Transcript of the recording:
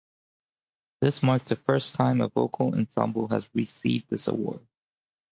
This marks the first time a vocal ensemble has received this award.